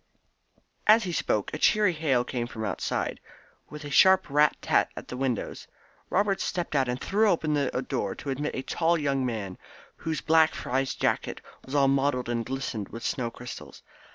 As he spoke a cheery hail came from outside, with a sharp rat tat at the window. Robert stepped out and threw open the door to admit a tall young man, whose black frieze jacket was all mottled and glistening with snow crystals.